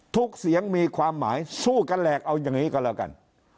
เสียงมีความหมายสู้กันแหลกเอาอย่างนี้ก็แล้วกัน